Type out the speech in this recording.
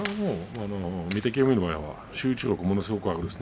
御嶽海の場合は集中力ものすごくあります。